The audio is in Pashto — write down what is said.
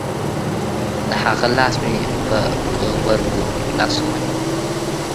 د هغه لاس مې په غبرگو لاسو ونيو.